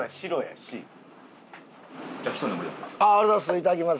いただきます。